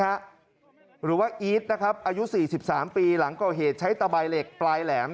หรือว่าอีทนะครับอายุ๔๓ปีหลังก่อเหตุใช้ตะใบเหล็กปลายแหลม